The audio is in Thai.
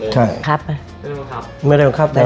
คุณพ่อมีลูกทั้งหมด๑๐ปี